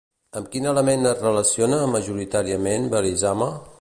Amb quin element es relaciona majoritàriament Belisama?